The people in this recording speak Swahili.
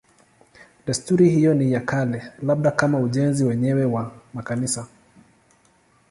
Desturi hiyo ni ya kale, labda kama ujenzi wenyewe wa makanisa.